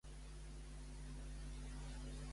Els Jocs de Nemea enceten Tàrraco Viva aquest any.